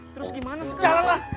terus gimana sekarang